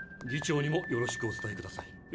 議長にもよろしくお伝えください。